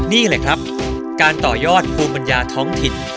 นี่แหละครับการต่อยอดภูมิปัญญาท้องถิ่น